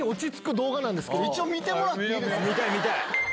一応見てもらっていいですか？